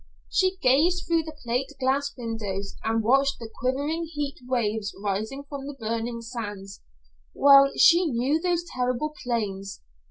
She gazed through the plate glass windows and watched the quivering heat waves rising from the burning sands. Well she knew those terrible plains!